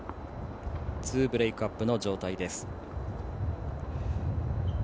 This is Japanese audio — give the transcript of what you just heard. ２ブレークアップの状態です。